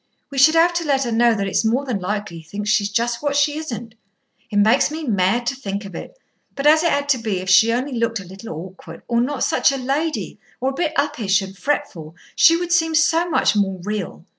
We should have to let her know that it's more than likely he thinks she's just what she isn't. It makes me mad to think of it. But as it had to be, if she only looked a little awkward, or not such a lady, or a bit uppish and fretful, she would seem so much more real.